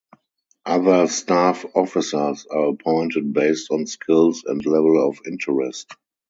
Other staff officers are appointed based on skills and level of interest.